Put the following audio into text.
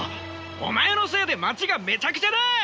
お前のせいで街がめちゃくちゃだ！